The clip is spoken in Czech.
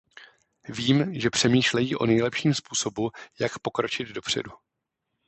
Vím, že přemýšlejí o nejlepším způsobu, jak pokročit dopředu.